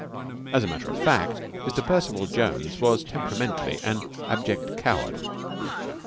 As a matter of fact Mr. Percival Jones was temperamentally an abject coward.